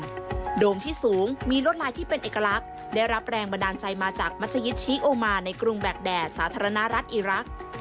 โดมที่สูงมีลวดลายที่เป็นเอกลักษณ์ได้รับแรงบันดาลใจมาจากมัศยิตชิโอมาในกรุงแบกแดดสาธารณรัฐอีรักษ์